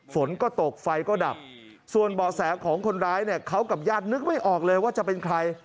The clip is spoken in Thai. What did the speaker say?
ฝนก็ตกไฟก็ดับส่วนเบาะแสของคนร้ายเนี่ยเขากับญาตินึกไม่ออกเลยว่าจะเป็นใคร